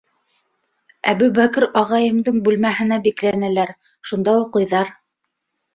Әбүбәкер ағайымдың бүлмәһенә бикләнәләр, шунда уҡыйҙар.